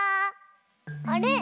あれ？